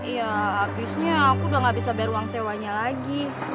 ya abisnya aku udah ga bisa bayar uang sewa lagi